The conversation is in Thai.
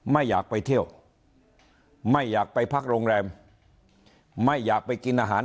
ไม่อยากไปเที่ยวไม่อยากไปพักโรงแรมไม่อยากไปกินอาหาร